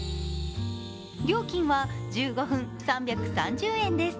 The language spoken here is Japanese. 料金は１５分３３０円です。